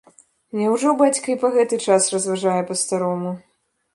Няўжо бацька і па гэты час разважае па-старому?